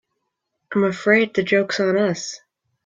I'm afraid the joke's on us.